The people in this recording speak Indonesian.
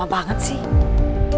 lama banget sih